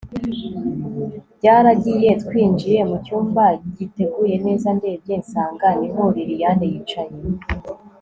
byaragiye twinjiye mucyumba giteguye neza ndebye nsanga niho liliane yicaye